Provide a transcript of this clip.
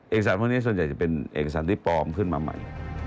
สารพวกนี้ส่วนใหญ่จะเป็นเอกสารที่ปลอมขึ้นมาใหม่